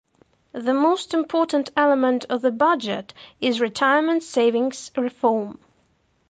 The most important element of the budget is retirement savings reform.